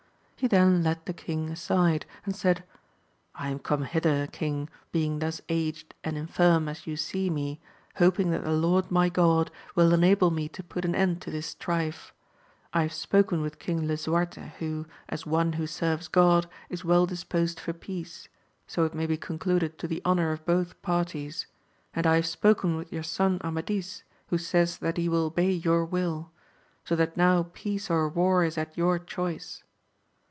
He then led the king aside, and said, I am come hither, king, being thus aged and infirm as you see me, hoping that the Lord my God wiU enable me to put an end to this strife. I have spoken with King Lisuarte, who, as one who serves God, is weU disposed for peace, so it may be concluded to the honour of both parties ; and I have spoken with your son Amadis, who says that he will obey your will ; so that now peace or war is at your choice.